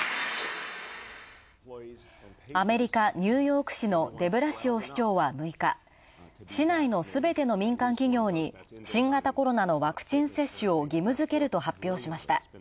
アメリカ、ニューヨーク市のデブラシオ市長は６日、市内のすべての民間企業に新型コロナのワクチン接種を義務付けると発表しました。